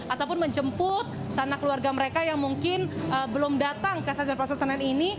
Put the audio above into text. ataupun menjemput sana keluarga mereka yang mungkin belum datang ke stasiun pasar senen ini